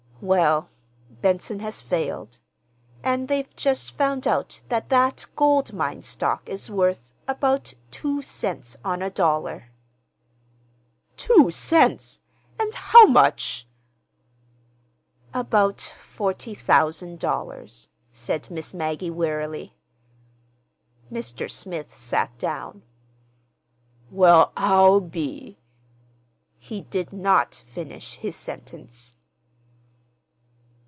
"Well, Benson has failed; and they've just found out that that gold mine stock is worth—about two cents on a dollar." "Two cents! And how much—" "About forty thousand dollars," said Miss Maggie wearily. Mr. Smith sat down. "Well, I'll be—" He did not finish his sentence.